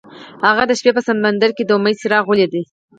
هغه د شپه په سمندر کې د امید څراغ ولید.